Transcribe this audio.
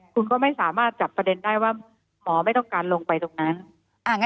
คุณก็ไม่สามารถจับประเด็นได้ว่าหมอไม่ต้องการลงไปตรงนั้น